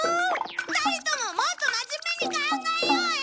２人とももっと真面目に考えようよ！